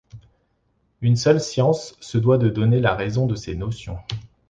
Une seule science se doit de donner la raison de ces notions.